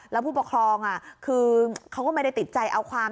แล้วผู้ปกครองคือเขาก็ไม่ได้ติดใจเอาความ